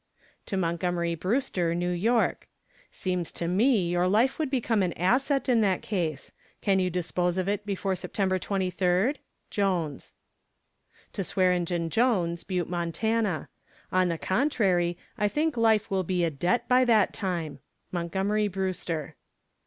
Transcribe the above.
To MONTGOMERY BREWSTER, New York. Seems to me your life would become an asset in that case. Can you dispose of it before September 23d? JONES. TO SWEARENGEN JONES, Butte, Mont. On the contrary, I think life will be a debt by that time. MONTGOMERY BREWSTER.